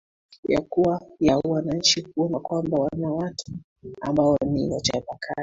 yakuwa ya wananchi kuona kwamba wanawatu ambao ni wachapakazi